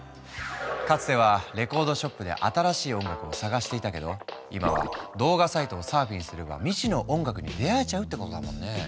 かつてはレコードショップで新しい音楽を探していたけど今は動画サイトをサーフィンすれば未知の音楽に出会えちゃうってことだもんね。